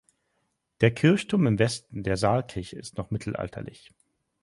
Der Kirchturm im Westen der Saalkirche ist noch mittelalterlich.